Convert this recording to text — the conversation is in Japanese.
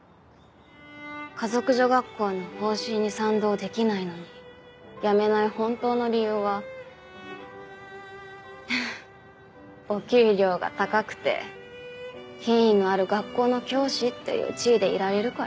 華族女学校の方針に賛同できないのに辞めない本当の理由はお給料が高くて品位のある学校の教師っていう地位でいられるからよ。